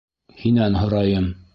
Һинән һорайым?